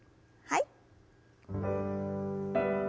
はい。